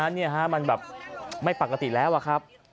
นี่ฮะมันแบบไม่ปกติแล้วอะครับ